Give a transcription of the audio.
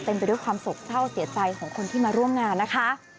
ไปด้วยความโศกเศร้าเสียใจของคนที่มาร่วมงานนะคะ